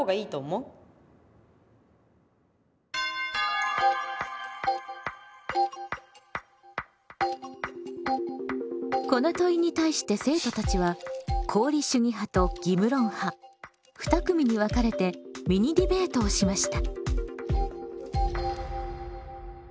みんなはこの問いに対して生徒たちは功利主義派と義務論派２組に分かれてミニディベートをしました。